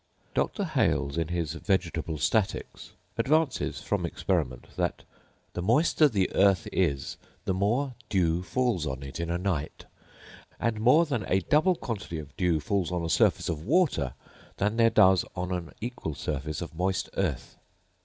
Dr. Hales, in his Vegetable Statics, advances, from experiment, that 'the moister the earth is the more dew falls on it in a night: and more than a double quantity of dew falls on a surface of water than there does on an equal surface of moist earth.